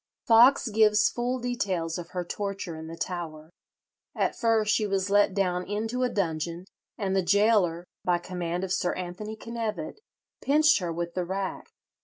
..." Foxe gives full details of her torture in the Tower. At first she was let down into a dungeon, and the gaoler, by command of Sir Anthony Knevet, pinched her with the rack.